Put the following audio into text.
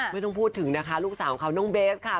ไม่ต้องพูดถึงนะคะลูกสาวเขาน้องเบสค่ะ